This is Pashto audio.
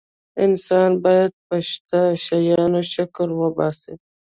انسان باید په شته شیانو شکر وباسي.